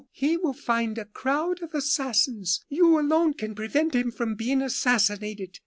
He will find a crowd of assassins. You alone can prevent him from being assassinated."